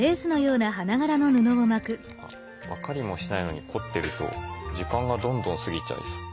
分かりもしないのに凝ってると時間がどんどん過ぎちゃいそう。